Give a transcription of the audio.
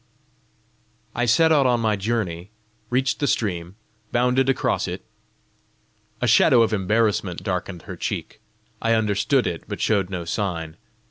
"I set out on my journey, reached the stream, bounded across it, " A shadow of embarrassment darkened her cheek: I understood it, but showed no sign.